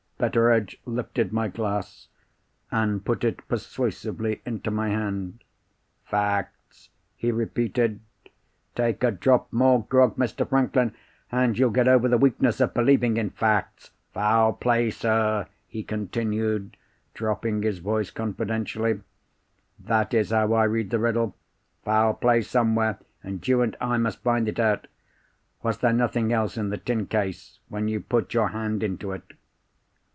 Betteredge lifted my glass, and put it persuasively into my hand. "Facts?" he repeated. "Take a drop more grog, Mr. Franklin, and you'll get over the weakness of believing in facts! Foul play, sir!" he continued, dropping his voice confidentially. "That is how I read the riddle. Foul play somewhere—and you and I must find it out. Was there nothing else in the tin case, when you put your hand into it?"